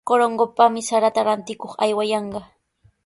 Corongopami sarata rantikuq aywayanqa.